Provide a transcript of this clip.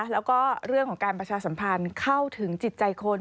แล้วก็เรื่องของการประชาสัมพันธ์เข้าถึงจิตใจคน